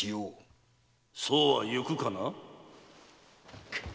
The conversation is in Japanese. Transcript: ・そうはいくかな？